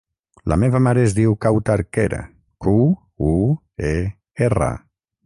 La meva mare es diu Kawtar Quer: cu, u, e, erra.